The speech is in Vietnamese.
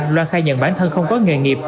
loan khai nhận bản thân không có nghề nghiệp